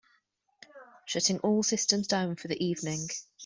Shutting all systems down for the evening.